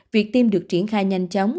việc tiêm được triển khai nhanh chóng